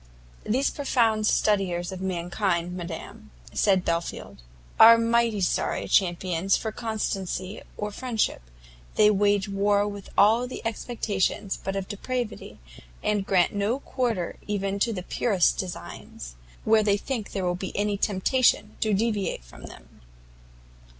"These profound studiers of mankind, madam," said Belfield, "are mighty sorry champions for constancy or friendship. They wage war with all expectations but of depravity, and grant no quarter even to the purest designs, where they think there will be any temptation to deviate from them."